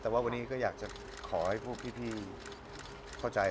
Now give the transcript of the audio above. แต่ว่าวันนี้ก็อยากจะขอให้พวกพี่เข้าใจ